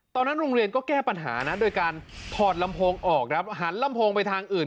ตอนนั้นโรงเรียนก็แก้ปัญหานะโดยการถอดลำโพงออกครับหันลำโพงไปทางอื่น